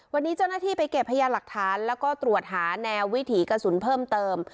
วันนี้เจ้าหน้าที่ไปเก็บพยานหลักฐานแล้วก็ตรวจหาแนววิถีกระสุนเพิ่มเติม